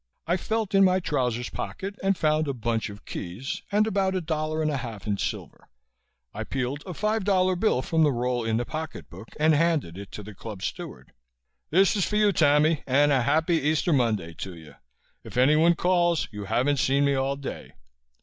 I felt in my trousers' pocket and found a bunch of keys and about a dollar and a half in silver. I peeled a five dollar bill from the roll in the pocket book and handed it to the club steward. "This is for you, Tammy, and a happy Easter Monday to you. If anyone calls, you haven't seen me all day."